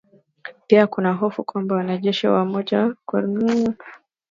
Pia kuna hofu kwamba wanajeshi wa Umoja wa kujihami wa nchi za magharibi walioko mashariki mwa Ulaya